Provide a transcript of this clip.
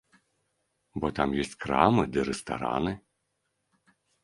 Бо там ёсць крамы ды рэстараны.